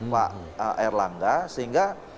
pak erlangga sehingga